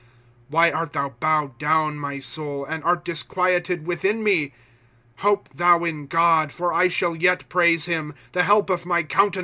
Why art thou bowed down, my soul, And art disquieted within me ? Hope thou in God ; for I shall yet praise him, Tho help of my countenance, and my God.